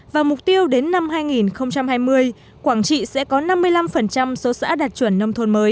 và mục tiêu đến năm hai nghìn hai mươi quảng trị sẽ có năm mươi năm số xã đạt chuẩn nông thôn mới